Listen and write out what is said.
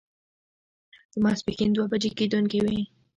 د ماسپښين دوه بجې کېدونکې وې.